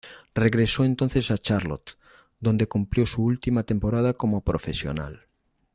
Regresó entonces a Charlotte, donde cumplió su última temporada como profesional.